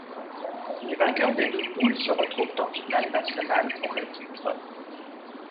Les vainqueurs des deux poules se retrouvent en finale nationale pour le titre.